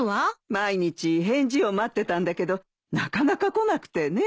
毎日返事を待ってたんだけどなかなか来なくてね。